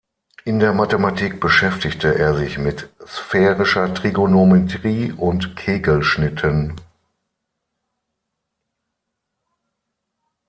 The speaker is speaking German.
In der Mathematik beschäftigte er sich mit sphärischer Trigonometrie und Kegelschnitten.